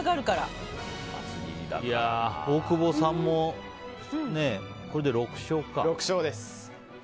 大久保さんもこれで６勝か。